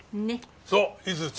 そう井筒。